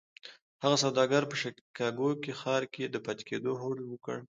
هغه سوداګر په شيکاګو ښار کې د پاتې کېدو هوډ وکړ.